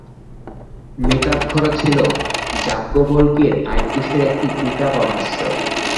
মিতাক্ষরা ছিল যাজ্ঞবল্ক্যের আইনকোষের একটি টীকা বা ভাষ্য।